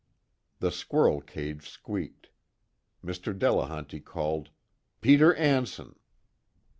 The squirrel cage squeaked. Mr. Delehanty called: "Peter Anson."